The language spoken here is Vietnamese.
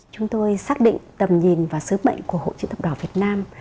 chúng tôi xác định tầm nhìn và sứ mệnh của hội chữ thập đỏ việt nam